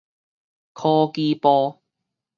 科技部